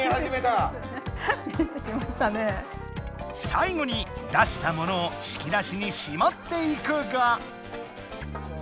さいごに出した物を引き出しにしまっていくが。